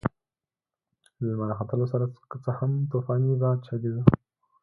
له لمر راختلو سره که څه هم طوفاني باد چلېده.